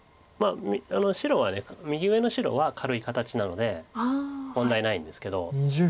白は右上の白は軽い形なので問題ないんですけど。